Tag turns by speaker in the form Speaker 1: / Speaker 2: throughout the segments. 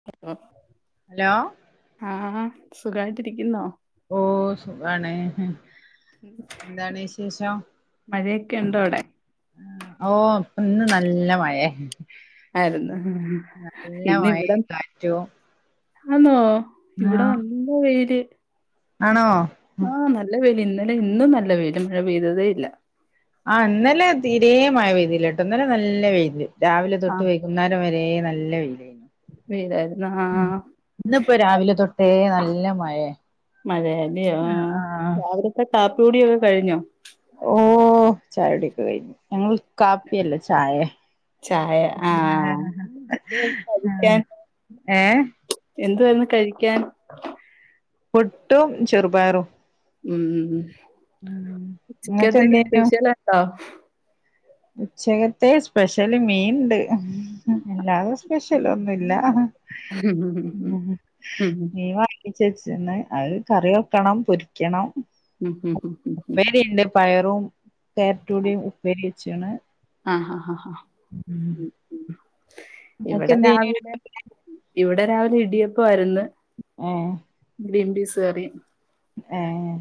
Speaker 1: [unintelligible]
Speaker 2: Hello
Speaker 1: ആഹ സുഖായിട്ടിരിക്കുന്നോ
Speaker 2: ഓ സുഖാണ് എന്താണ് വിശേഷം
Speaker 1: മഴയൊക്കെ ഉണ്ടോ അവിടെ
Speaker 2: ആ, ഓ ഇപ്പൊ ഇന്ന് നല്ല മഴെ
Speaker 1: ഇന്ന്
Speaker 2: മഴേം
Speaker 1: ഇവിടെ
Speaker 2: കാറ്റും
Speaker 1: ആന്നോ ഇവിടെ
Speaker 2: ആഹ്
Speaker 1: നല്ല വെയില്
Speaker 2: ആണോ
Speaker 1: ആഹ് നല്ല വെയിൽ ഇന്നലെ ഇന്നും നല്ല വേയില് മഴ പെയ്തതേ ഇല്ല
Speaker 2: ആഹ് ഇന്നലെ തീരേ മയ പെയിതില്ലട്ടോ ഇന്നലെ നല്ല വേയില് രാവിലെ തൊട്ട് വ വൈകുന്നേരം വരെ നല്ല വെയിലേന്ന്
Speaker 1: വേലായിരുന്ന് ആഹ്
Speaker 2: ഇന്നിപ്പോ രാവിലെ തൊട്ടേ നല്ല മഴെ
Speaker 1: മഴയല്ലയോ ആഹ് രാവിലത്തെ കാപ്പി കുടിയൊക്കെ കഴിഞ്ഞോ
Speaker 2: ഓഹ് ചായ കുടി ഒക്കെ കഴിഞ്ഞു ഞങ്ങൾ കാപ്പിയല്ല ചായെ ആഹ് ഏഹ്
Speaker 1: എന്തുവാര്ന്ന് കഴിക്കാൻ
Speaker 2: പുട്ടും ചെറുപയറും
Speaker 1: ഉം
Speaker 2: ഉം ഇങ്ങക്ക്
Speaker 1: ഉച്ചക്കത്തേക്ക്
Speaker 2: എന്തേനു
Speaker 1: സ്പെഷ്യൽ ഇണ്ടോ
Speaker 2: ഉച്ചക്കത്തെ സ്പെഷ്യല് മീൻ ഇണ്ട് എല്ലാതും സ്പെഷ്യൽ ഒന്നുല്ല ഉം മീൻ വാങ്ങിച്ചെച്ച്ണ് അത് കറി വെക്കണം പൊര് ക്കണം ഉപ്പേരി ഇണ്ട് പയറും കാരറ്റൂടിയും ഉപ്പേരി വെച്ച്ണ്
Speaker 1: ആഹഹാ ഇവിടെ
Speaker 2: ഇങ്ങക്കെന്തേനു
Speaker 1: രാവിലെ ഇവിടെ രാവിലെ ഇടിയപ്പ ആയിരുന്ന്
Speaker 2: ഏഹ്
Speaker 1: ഗ്രീൻ പീസ്കറിയും
Speaker 2: ഏഹ്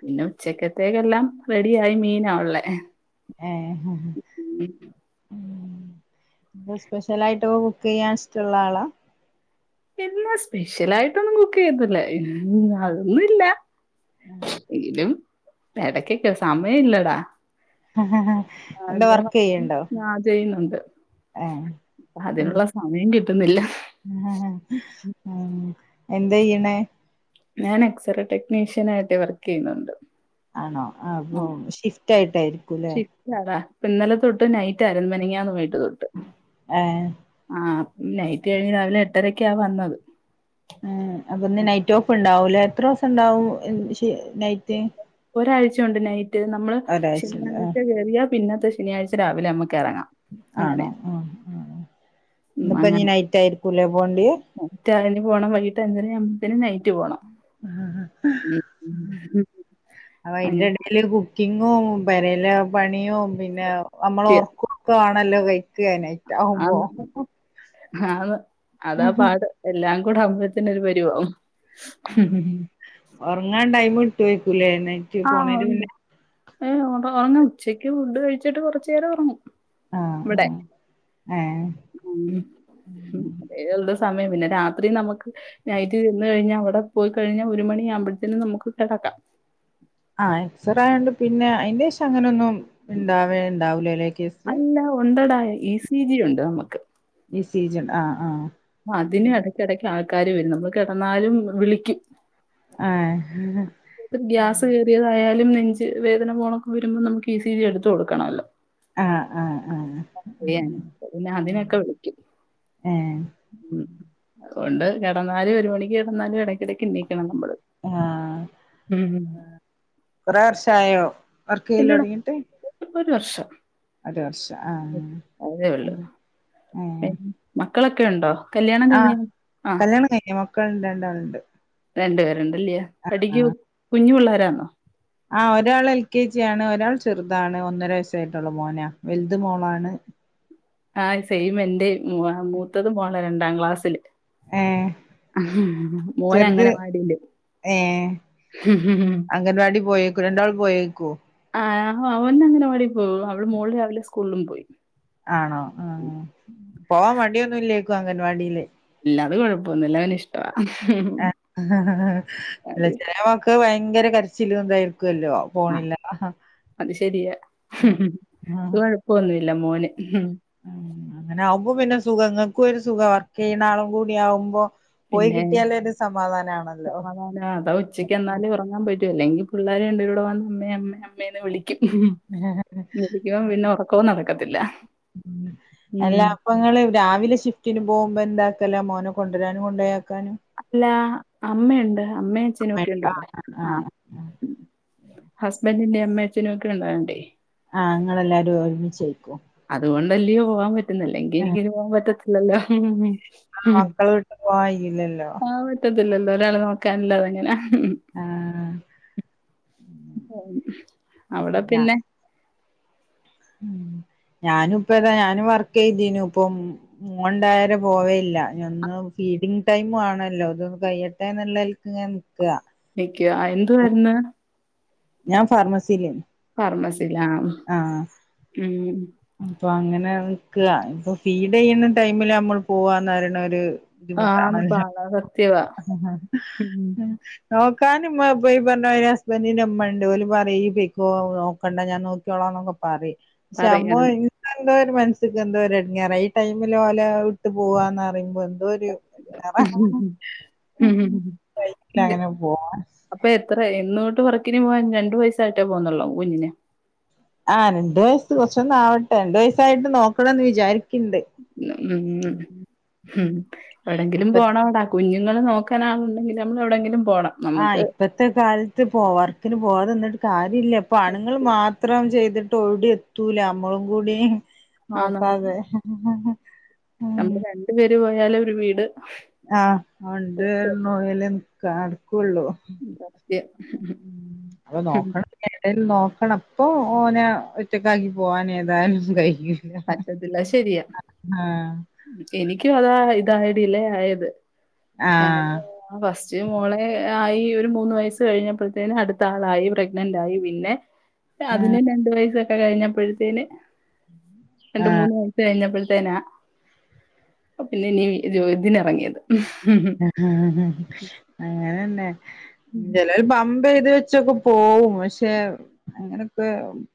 Speaker 1: പിന്നെ ഉച്ചക്കത്തേക്കല്ലാം റെഡിയ ആയി മീനാള്ളേ
Speaker 2: ഏഹ് ഇന്ന് സ്പെഷ്യലയിട്ട്ക്കെ കുക്ക് ചെയ്യാൻ ഇഷ്ടള്ള ആളാ?
Speaker 1: ഇല്ല സ്പെഷ്യൽ ആയിട്ടൊന്നും കുക്ക് ചെയ്ത്തില്ല അതൊന്നുംല്ല എങ്കിലും ഇടക്കൊക്കെ സമയം ഇല്ലടാ
Speaker 2: എന്താ
Speaker 1: ഹലോ
Speaker 2: വർക്കെയ്യ്ണ്ടോ
Speaker 1: ഞാ ചെയ്യുന്നുണ്ട്
Speaker 2: ഏഹ്
Speaker 1: അതിനുള്ള സമയം കിട്ടുന്നില്ല
Speaker 2: അഹ് അഹ് എന്ത്‌ചെയ്യ്ണ്
Speaker 1: ഞാൻ എക്സറേ ടെക്നീഷ്യൻ ആയിട്ട് വർക്ക് ചെയ്യുന്നുണ്ട്
Speaker 2: ആണോ അപ്പൊ ഷിഫ്റ്റ് ആയിട്ടായിരിക്കുംല്ലേ
Speaker 1: ഇല്ലതാ. ഇന്നലെതൊട്ട് നൈറ്റ് അരുന്ന് മനഞാന്ന് പോയിട്ട് തൊട്ട്
Speaker 2: ഏഹ്
Speaker 1: ആ നൈറ്റ് കഴിഞ്ഞ് രാവിലെ എട്ടരക്കെയാ വന്നത്
Speaker 2: ഉം അപ്പൊന്ന് നൈറ്റ് ഓഫ് ഉണ്ടാവൂലേ എത്ര ദിവസം ഉണ്ടാവും നൈറ്റ്?
Speaker 1: ഒരാഴ്ചുണ്ട് നൈറ്റ്. നമ്മള്
Speaker 2: ഒരാഴ്ച ഉണ്ട്. ആ
Speaker 1: ശനിയാഴ്ച കയറിയ പിന്നത്തെ ശനിയാഴ്ച രാവിലെ നമുക്ക് ഇറങ്ങാം
Speaker 2: ആണോ ആഹ്
Speaker 1: ഉം അങ്ങനെ
Speaker 2: ഇന്ന്ഇപ്പോഞ്ഞ് നൈറ്റ് ആയിരിക്കൂല്ലേ പോണ്ട്
Speaker 1: നൈറ്റ് അതിന് പോണം വൈകിട്ട് ന് നൈറ്റ് പോണം
Speaker 2: അപ്പോ അതിന്റെ
Speaker 1: അങ്ങനെ
Speaker 2: ഇടെല് കുക്കിങ്ങും പേരയിലെ പണിയും പിന്നെ നമ്മള്
Speaker 1: കൃത്യ
Speaker 2: ഒറക്കും കാണല്ലോ കഴിക്കുകാനായി
Speaker 1: ആന്ന് ആന്ന് അതാ പാട് എല്ലാം കൂടെ ആവുമ്പോത്തിന് ഒര് പരിവാകും
Speaker 2: ഒറങ്ങാൻ ടൈം കിട്ടോയ്‌ക്കുംലെ നെ
Speaker 1: ആഹ് ഉണ്ട് ഏഹ് ഒറങ്ങ ഉച്ചക്ക് ഫുഡ് കഴിച്ചിട്ട് കൊറച്ചേരം ഒറങ്ങും
Speaker 2: ആ
Speaker 1: ഇവിടെ
Speaker 2: ആ ഏ
Speaker 1: ഉം [unintelligible] സമയമില്ല രാത്രി നമുക്ക് നൈറ്റ് വന്ന് കഴിഞ്ഞാൽ അവിടെ പോയി കഴിഞ്ഞാൽ ഒരു മണി ആകുമ്പോഴ്ത്തിന് നമുക്ക് കെടക്കാം
Speaker 2: ആ എക്സ്റായോണ്ട് പിന്നെ അതിന്റെഷം അങ്ങനെ ഒന്നും ഇണ്ടാവേ ഉണ്ടാവൂല ലെ കേസ്
Speaker 1: അല്ല ഉണ്ടടാ ഇ സി ജി ഉണ്ട് നമുക്ക്
Speaker 2: ഇ സി ജി ഉണ്ട് ആഹ് ആഹ്
Speaker 1: അതിന് എടക്കിടക്ക് ആൾക്കാര് വരും നമ്മൾക്ക് കെടന്നാലും വിളിക്കും
Speaker 2: ഏഹ്
Speaker 1: ഗ്യാസ് കയറിയതായാലും നെഞ്ച് വേദന പോണൊക്കെ വരുമ്പോൾ നമുക്ക് ഈ സി ജി എടുത്ത് കൊടുക്കണല്ലോ
Speaker 2: ആഹ് ആഹ്
Speaker 1: [unintelligible] ങ്ങേ
Speaker 2: ആഹ്
Speaker 1: പിന്നെ അതിനൊക്കെ വിളിക്കും
Speaker 2: ഏഹ്
Speaker 1: ഉം അതുകൊണ്ട് കെടന്നാലും ഒരു മണിക്ക് കെടന്നാലും എടക്കെടക്ക് എണീക്കണം നമ്മള്
Speaker 2: ആഹ്
Speaker 1: മ്മ്
Speaker 2: കൊറേ വർഷായോ വർക്കിയ്യലൊടങ്ങീട്ട്
Speaker 1: ഇപ്പോ ഒരു വർഷം
Speaker 2: ഒരു വർഷം ആഹ്
Speaker 1: അതേ ഒള്ളൂ.
Speaker 2: ഉം
Speaker 1: പിന്നെ
Speaker 2: എഹ്
Speaker 1: മക്കളൊക്കെ ഉണ്ടോ? കല്യാണം കഴിഞ്ഞെ ആഹ്
Speaker 2: കല്യാണം കഴിഞ്ഞോ? മക്കൾ രണ്ടാള്ണ്ട്
Speaker 1: രണ്ടു പേരുണ്ടല്ല്യോ പഠിക്യു കുഞ്ഞ് പിള്ളാരാണോ?
Speaker 2: ആ ഒരാൾ എൽ കെ ജി ആണ് ഒരാൾ ചെറുതാണ് ഒന്നര വയസ്സായിട്ടൊള്ളൂ മോനാ വലുത് മോളാണ്
Speaker 1: ആഹ് സെയിം എന്റെയും മു മൂത്തത് മോളാ രണ്ടാം ക്ലാസ്സില്-
Speaker 2: ഏഹ്
Speaker 1: മോന്
Speaker 2: ചെറുത്
Speaker 1: അംഗനവാടീല്.
Speaker 2: ഏഹ്
Speaker 1: [unintelligible]
Speaker 2: അംഗൻവാടി പോയേക്കോ രണ്ടാളും പോയേക്കോ
Speaker 1: ആഹ് അവൻ അങ്ങനവാടി പോവും അവൾ മോൾ രാവിലെ സ്കൂളിലും പോയി
Speaker 2: ആണോ ആഹ് പോവാൻ മടിയൊന്നുംല്ലേക്കും അംഗൻവാടിയില്
Speaker 1: ഇല്ല അത് കുഴപ്പൊന്നുല്ല അവൻ ഇഷ് [unintelligible]
Speaker 2: ചെല മക്കൾക്ക് ഭയങ്കര കരച്ചിലും ഇതായിരിക്കുവല്ലോ
Speaker 1: ആഹ്
Speaker 2: പോണില്ലാ അഹാ
Speaker 1: അത് ശെരിയ കൊഴപ്പൊന്നുല്ല മോൻ
Speaker 2: അങ്ങനെ ആകുമ്പോ പിന്നെ സുഖക ഇങ്ങക്കും ഒരു സുഖ വർക്ക് ചെയ്യണ ആളും കൂടി ആകുമ്പോ പോയി
Speaker 1: പിന്നെ
Speaker 2: കിട്ടിയാൽ ഒര് സമാധാനാണല്ലോ
Speaker 1: ആഹ് അതാ ഉച്ചയ്ക്ക് എന്നാലേ ഉറങ്ങാൻ പറ്റു അല്ലെങ്കിൽ പിള്ളേർ രണ്ട് പേരുംകൂടി വന്നാൽ അമ്മേ അമ്മേന്ന് വിളിക്കും.
Speaker 2: [unintelligible]
Speaker 1: യോ പിന്നെ ഒറകോം നടക്കത്തില്ല. ഉം
Speaker 2: എല്ലാ അപ്പങ്ങള് രാവിലെ ഷിഫ്റ്റിന് പോകുമ്പോ എന്താക്കല മോനെ കൊണ്ടരാനും കൊണ്ടയാക്കാനും
Speaker 1: അല്ലാ അമ്മയൊണ്ട് അമ്മയും അച്ഛനുമൊക്കെയൊണ്ട്
Speaker 2: ആഹ്
Speaker 1: ഇവടെ ആം
Speaker 2: ആഹ്
Speaker 1: ഹസ്ബന്റിന്റെ അമ്മേ അച്ഛനും ഒക്കെ ഉണ്ടായോണ്ടെ
Speaker 2: ആഹ് ഇങ്ങള് എല്ലാരും ഒരുമിച്ചേക്കും
Speaker 1: അതുകൊണ്ടല്ലയോ പോവാൻ പറ്റുന്നത് ല്ലെങ്കിൽ
Speaker 2: ആ
Speaker 1: എനിക്ക്‌ ഇനി പോവാൻ പറ്റത്തില്ലല്ലോ.
Speaker 2: മക്കള വിട്ട് പോവാൻ കയില്ലല്ലോ.
Speaker 1: അത് പറ്റത്തില്ലല്ലോ ഒരാൾ നോക്കാനില്ലാ തെങ്ങന
Speaker 2: ആഹ്
Speaker 1: അവടെ
Speaker 2: ഞാ
Speaker 1: പിന്നെ
Speaker 2: ഞാനും ഇപ്പതാ ഞാനും വർക്ക് ചെയ്തിനു ഇപ്പം മോന്ണ്ടായാരെ പോവേല്ല ഒന്ന് ഫീഡിങ്ങ് ടൈം ആണല്ലോ അതൊന്ന് കയ്യട്ടെ എന്നുള്ള ങ്ങനെ ന്ക്ക
Speaker 1: നിക്കിയ ആ എന്തുവാര്ന്ന്
Speaker 2: ഞാൻ ഫാർമസീല്.
Speaker 1: ഫാർമസിയില ഉം
Speaker 2: അപ്പൊ അങ്ങനെ നിക്ക ഇപ്പൊ ഫീഡ് ചെയ്യുന്ന ടൈമില് നമ്മൾ പോവാന്നറിണെ ഒര്
Speaker 1: ആഹ് [unintelligible]
Speaker 2: [unintelligible] നോക്കാനും ഈ പറഞ്ഞമാതിരി ഹസ്ബന്റി ന്റെ ഇമ്മണ്ട് ഓല് പറയും ഇയ് പൊയ്ക്കോ നോക്കണ്ട ഞാൻ നോക്കിയോള എന്നൊക്ക പറിമ് പക്ഷെ അമ്മോ
Speaker 1: പറയണ്
Speaker 2: എന്തോ ഒരു മനസ്ക്ക് എന്തോ ഒരു എടങ്ങേറ ഈ ടൈമില് ഓലെ ഇട്ട് പോവാന്ന് പറിമ്പോ എന്തോ ഒര്
Speaker 1: ഉ [unintelligible]
Speaker 2: കയ്യൂല അങ്ങനെ പോവാൻ
Speaker 1: അപ്പൊ എത്ര എന്നോട്ട് വർക്കിന് പോവാൻ രണ്ടു വയസായിട്ടേ പോകുന്നുള്ളോ കുഞ്ഞിന്
Speaker 2: ആ രണ്ട് വയസ്സ് കൊറച്ചൊന്ന് ആവട്ടെ രണ്ടു വയസ്സായിട്ട് നോക്കണ എന്ന് വിചാരിക്ക
Speaker 1: ഉം ഉ എവിടെങ്കിലും
Speaker 2: ഇപ്പ
Speaker 1: പോണവിട കുഞ്ഞുങ്ങൾ നോക്കാനാകുണ്ടെങ്കിൽ നമ്മൾ എവിടെയെങ്കിലും പോണം
Speaker 2: ആ
Speaker 1: നമുക്ക്
Speaker 2: ഇപ്പത്തെ കാലത്ത് പോ വർക്കിന് പോവാതിന്നിട്ട് കാര്യല്ലാ ഇപ്പ ആണുങ്ങള് മാത്രം ചെയ്തിട്ട് ഓടിയെത്തൂല നമ്മളും കൂടി
Speaker 1: ആന്ന് ആന്ന്
Speaker 2: നോക്കാതെ
Speaker 1: നമ്മള് രണ്ട് പേര് പോയാല ഒര് വീട്
Speaker 2: ആഹ് രണ്ട് പേരും പോയാലേ നടക്കൊള്ളൂ
Speaker 1: സത്യം
Speaker 2: എവടേലും നോക്കണം ഇപ്പൊ ഓനെ ഒറ്റക്കാക്കി പോവാൻ ഏതായാലും കഴി
Speaker 1: പറ്റത്തില്ല ശെരിയാ എനിക്കും അതാ ഇതായി ഡിലെ ആയത് ഞാന്
Speaker 2: ആഹ്
Speaker 1: ആഹ് ഫസ്റ്റ് മോളെ ആയി ഒരു മൂന്ന് വയസ്സ് കഴിഞ്ഞപ്പഴ്ത്തേന് അട്ത്ത ആളായി പ്രഗ്നന്റ് ആയി പിന്നെ
Speaker 2: ആഹ്
Speaker 1: അതിനും രണ്ട് വയസ്സൊക്കെ കഴിഞ്ഞപ്പഴ്ത്തേന് രണ്ട്
Speaker 2: ആഹ്
Speaker 1: മൂന്ന് വ കഴിഞ്ഞപ്പഴ്ത്തേനാ പിന്നെ ഇനി ജോ ഇതിന് അറങ്ങിയത്
Speaker 2: ഉം അങ്ങനെന്നെ ചെലൊര് [unintelligible] ഈത് വെച്ചൊക്കെ പോവും പക്ഷെ അങ്ങനൊക്കെ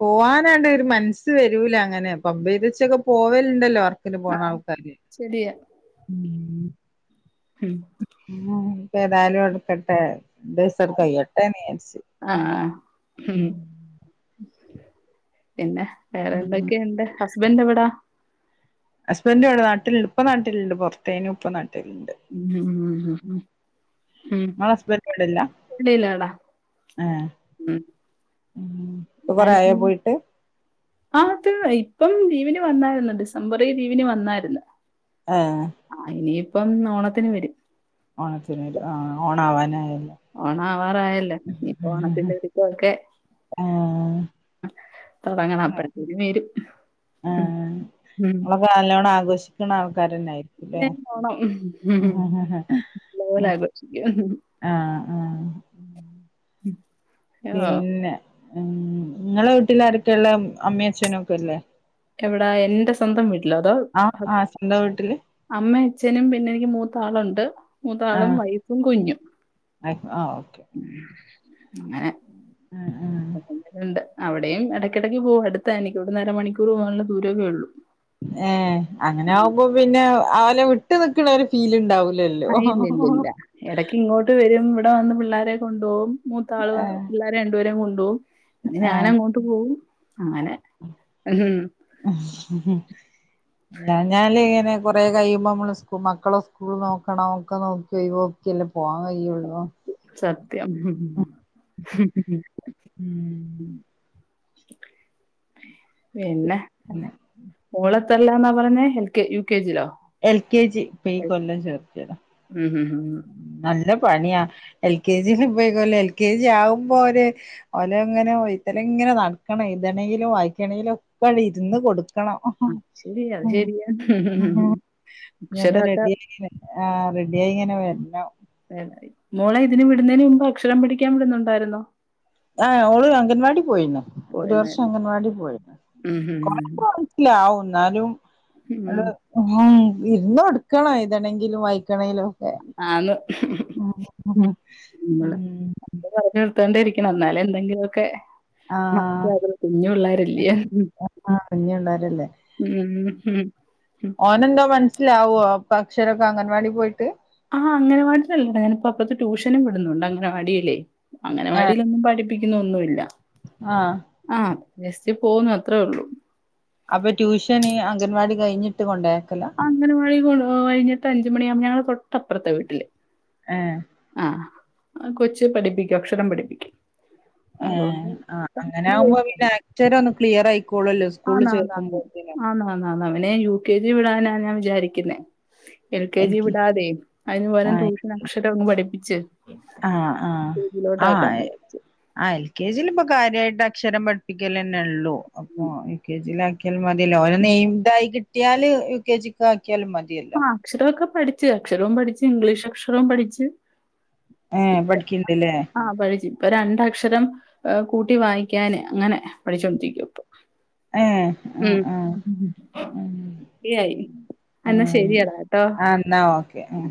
Speaker 2: പോവാനാണ്ട് ഒരു മനസ്സ് വരൂല അങ്ങനെ പബ് ചൈത് വച്ചൊക്കെ പോവല്ണ്ടല്ലോ [unintelligible] പോണ ആൾക്കാരില്ലേ
Speaker 1: ശരിയാ.
Speaker 2: ഉം
Speaker 1: ഉം
Speaker 2: ഇപ്പ ഏതാലും അവടക്കട്ടെ രണ്ട് വയസ്സണ്ട് കഴിയട്ടെന്ന് വിചാരിച്
Speaker 1: ആ.
Speaker 2: ഉം
Speaker 1: പിന്നെ
Speaker 2: ഉം
Speaker 1: വേറെന്തൊക്കെണ്ട് ഹസ്ബൻഡ് എവിടാ
Speaker 2: ഹസ്ബൻഡ് ഇവിടെ നാട്ടിൽ ഇപ്പ നാട്ടില്ണ്ട് പൊറത്തേനു ഇപ്പം നാട്ടില്ണ്ട് ഇങ്ങള ഹസ്ബൻഡ് ഇവടല്ല
Speaker 1: വെളിയിലാടാ?
Speaker 2: ആഹ്
Speaker 1: ഉം.
Speaker 2: ഉം ഇപ്പൊ കൊറേ ആയോ
Speaker 1: ഞാനും
Speaker 2: പോയിട്ട്
Speaker 1: ആത് ഇപ്പം ലീവിന് വന്നാര്ന്നു ഡിസംബറി ലീവിന് വന്നാര്ന്നു
Speaker 2: ഏഹ്
Speaker 1: ആഹ് ഇനിയിപ്പം ഓണത്തിന് വരും
Speaker 2: ഓണത്തിന് വരും ആ ഓണാ വാനായല്ലോ
Speaker 1: ഓണാവാറായല്ലോ ഇഞ്പ്പോ ഓണത്തിന്റെ
Speaker 2: ആഹ്
Speaker 1: [unintelligible] തൊടങ്ങണം അപ്പഴ്ത്തിന് വെരും ഉം ഉം
Speaker 2: നാല്ലോണം ആഘോഷിക്ക്ണ ആൾക്കാരന്നേ
Speaker 1: [unintelligible] ഓണം നല്ല പോലേ ആഘോഷിക്കും
Speaker 2: ആഹ് ആഹ്
Speaker 1: ഉം
Speaker 2: പിന്നെ ഉം ഇങ്ങളെ വീട്ടിൽ ആരക്കെ ഇള്ളേ അമ്മിം അഛനൊക്കെല്ലേ
Speaker 1: എവിടാ എന്റെ സ്വന്തം വീട്ടിലോ അതോ
Speaker 2: ആഹ്
Speaker 1: ഹ
Speaker 2: ആഹ് സ്വന്തം വീട്ടില്
Speaker 1: അമ്മിം അച്ഛനും പിന്നെ എനിക്ക് മൂത്താളുണ്ട് മൂത്താളും
Speaker 2: ആഹ്
Speaker 1: വൈഫും കുഞ്ഞും ഉം അങ്ങനെ
Speaker 2: ഉം ഉം
Speaker 1: ണ്ട് അവിടെയും എടക്ക് എടക്ക് പോകും അടുത്ത എനിക്കിവിടെന്ന് അര മണിക്കൂർ പോകാനുള്ള ദൂരവെ ഒള്ളു
Speaker 2: ഏഹ് അങ്ങനെ ആവുമ്പോ പിന്നെ അവല വിട്ട് നിക്ക്ണ ഒര് ഫീല് ഇണ്ടാവുലല്ലോ
Speaker 1: ആഹ് ഇല്ല ഇല്ല ഇല്ല എടക്ക് ഇങ്ങോട്ട് വരും ഇവിടെ വന്ന് പിള്ളേരെ കൊണ്ടൊവും മൂത്താള് വ
Speaker 2: ആഹ്
Speaker 1: പിള്ളേ രണ്ടുപേരിം കൊണ്ടൊവും പിന്നെ ഞാൻ
Speaker 2: ആഹ്
Speaker 1: അങ്ങോട്ട് പോവും അങ്ങനെ ഉം
Speaker 2: ആഹ ഉം
Speaker 1: ഉ [unintelligible]
Speaker 2: ഇല്ലാഞ്ഞാല് ഇങ്ങനെ കൊറേ കഴിയുമ്പോ നമ്മള് സ് മക്കളെ സ്കൂൾ നോക്കണം ഒക്ക നോക്കി ഒയിവോക്കി പോവാൻ കയ്യോ?
Speaker 1: സത്യം സത്യം
Speaker 2: ഉം
Speaker 1: പിന്നെ? മോളെത്രല്ലാന്ന പറയുന്നെ? L K U. K. ജിയിലോ?
Speaker 2: എൽ കെ ജി ഇപ്പ ഈ കൊല്ലം ചേർത്തിയതാ
Speaker 1: ഉം ഉം ഉം
Speaker 2: നല്ല പണിയാ എൽ കെ ജി യില് ഇപ്പൊ ഈ കൊല്ലം എൽ കെ ജിയാവുമ്പോ ഒര് ഓലെങ്ങനെ വെയ്ത്തലങ്ങനെ നടക്കണം എയ്തെണെങ്കിലും വായിക്കണെങ്കിലും ഒപ്പാട്ട് ഇരുന്ന് കൊടു ക്കണം
Speaker 1: അത് ശരി അത്
Speaker 2: ഉം
Speaker 1: ശരിയാ
Speaker 2: ഇഞ്ഞൊന്ന്
Speaker 1: അക്ഷരൊക്കെ
Speaker 2: റെഡിയായി വര് ആഹ് റെഡിയായിങ്ങനെ വര്ണം.
Speaker 1: മോളെ ഇതിന് വിടുന്നേന് മുമ്പ് അക്ഷരം പടിക്കാൻ വിടുന്നുണ്ടായിരുന്നോ?
Speaker 2: ആഹ് ഓള് അംഗൻവാടി പോയിണ് ഒരു വർഷം
Speaker 1: പോയതായിരുന്നു
Speaker 2: അംഗൻവാടി പോയിണ്
Speaker 1: ഉം ഹും ഹും ഹും.
Speaker 2: [unintelligible] ല്ല ഇന്നാലും
Speaker 1: ഉം
Speaker 2: ആണ്ട് ഇര്ന്ന് കൊടുക്കണം എഴ്തണെങ്കിലും വായിക്കണേലും
Speaker 1: ആന്ന് നമ്മള്
Speaker 2: ഉം
Speaker 1: പറഞ്ഞ് കൊടുത്തോണ്ടെയിരിക്കണം ഇന്നാലെ എന്തെങ്കിലൊവൊക്കെ
Speaker 2: ആ
Speaker 1: മനസ്സിലാവത്തൊള്ളു കുഞ്ഞു പിള്ളാരല്ലയോ
Speaker 2: ആഹ് കുഞ്ഞി പിള്ളാരല്ലേ?
Speaker 1: ഉം ഉം ഉം
Speaker 2: ഓനെന്തോ മനസ്സിലാവോ അക്ഷരൊക്കെ അംഗൻവാടി പോയിട്ട്?
Speaker 1: ആഹ് അംഗനവാടിലല്ല ഡാ ഞാനിപ്പോ അപ്പറത്തെ ട്യൂഷനും വിടുന്നുണ്ട് അംഗനവാടിയിലേ അംഗനവാടിയില് ഒന്നും പഠി പിക്കുന്ന് ഒന്നുവില്ല
Speaker 2: ആഹ്
Speaker 1: ആഹ് ജസ്റ്റ് പോകുന്നു അത്രേയൊള്ളൂ
Speaker 2: അപ്പൊ ട്യൂഷന് അംഗൻവാടി കഴിഞ്ഞിട്ട് കൊണ്ടയാക്കല?
Speaker 1: അംഗനവാടിയൊക്കെ കഴിഞ്ഞിട്ട് അഞ്ച് മണിയാവുമ്പോ ഞങ്ങളെ തൊട്ടപ്പുറത്തെ വീട്ടില്
Speaker 2: ഏഹേ?
Speaker 1: ആഹ് ആ കൊച്ച് പഠിപ്പിക്കും അക്ഷരം പഠിപ്പിക്കും അതുകൊണ്ട്
Speaker 2: ഏഹേ ആ അങ്ങനെ ആകുമ്പോ പിന്നെ അക്ഷരൊന്ന് ക്ലിയറായിക്കോളുവല്ലോ
Speaker 1: ആന്ന് ആന്നാന്നാ ആന്ന് ആന്നാന്ന് അവനെ യു കെ ജി വിടാനാ ഞാൻ വിചാരിക്കുന്നേ എൽ കെ ജി വിടാതെ അതിന് പകരം
Speaker 2: ആഹ്
Speaker 1: ട്യൂഷൻ അക്ഷരം ഒന്ന് പഠിപ്പിച്ച് യു.
Speaker 2: ആഹ്
Speaker 1: കെ. ജിയിലോട്ട് ആകാന്ന് വിചാരിച്ച്
Speaker 2: ആ എൽ കെ ജില് ഇപ്പൊ കാര്യായിട്ട് അക്ഷരം പഠിപ്പിക്കലന്നെയൊള്ളൂ അപ്പൊ
Speaker 1: ഉം
Speaker 2: യു കെ ജിയിൽ ആക്കിയാലും മതി മതിയല്ലോ ഓനൊന്ന്
Speaker 1: ഉം
Speaker 2: എയ്മിടായി കിട്ടിയാല് യു കെ ജിക്ക് ആക്കിയാലും മതിയല്ലോ
Speaker 1: അക്ഷരവൊക്കെ പഠിച്ച് അക്ഷരവും പഠിച്ച് ഇംഗ്ലീഷ് അക്ഷരവും പഠിച്ച്
Speaker 2: ഏഹ്
Speaker 1: ഇപ്പൊ
Speaker 2: പഠിക്ക്ണ്ട്ല്ലേ
Speaker 1: ആഹ് പടിച്ച് ഇപ്പൊ രണ്ടക്ഷരം കൂട്ടി വായിക്കാന് അങ്ങനെ പഠിച്ചു കൊണ്ടിരിക്ക ഇപ്പൊ
Speaker 2: ഏഹ്
Speaker 1: ഉം
Speaker 2: ആഹ് ആഹ് ഉം
Speaker 1: ഫ്രീയായി എന്നാ
Speaker 2: ആഹ്
Speaker 1: ശരിയെടാ കേട്ടോ
Speaker 2: ആഹ് എന്നാ ഓക്കെ ഉം